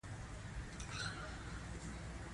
تاریخ د افغانستان د اقتصاد برخه ده.